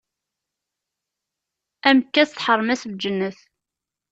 Amekkas teḥṛem-as lǧennet.